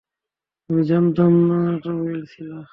আমি জানতাম না ওটা উইল ছিলো।